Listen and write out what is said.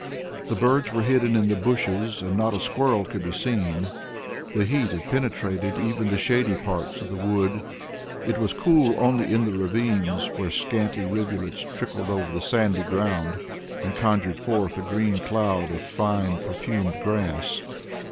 The birds were hidden in the bushes and not a squirrel could be seen. The heat had penetrated even the shady parts of the wood; it was cool only in the ravines where scanty rivulets trickled over the sandy ground and conjured forth a green cloud of fine perfumed grass.